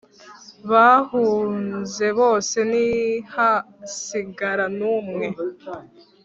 Bahunze bose ntihasigara numwe